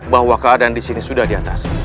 bahwa keadaan di sini sudah di atas